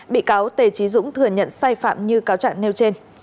bị cáo tề trí dũng thừa nhận sai phạm như cáo trạng nêu trên